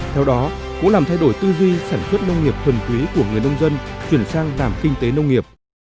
theo đó cũng làm thay đổi tư duy sản xuất nông nghiệp thuần quý của người nông dân chuyển sang làm kinh tế nông nghiệp